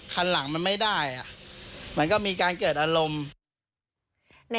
คันหลังมันไม่ได้มันก็มีการเกิดอารมณ์